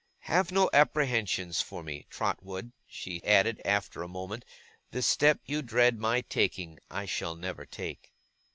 Have no apprehensions for me, Trotwood,' she added, after a moment; 'the step you dread my taking, I shall never take.